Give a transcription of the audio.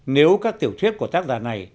nếu các tiểu thuyết của tác giả này